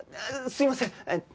すいません。